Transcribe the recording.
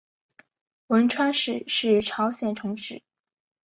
文川市是朝鲜城市。